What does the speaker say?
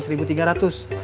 kalau yang ini